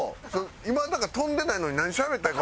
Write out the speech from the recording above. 今だから飛んでないのに何しゃべったらいいか。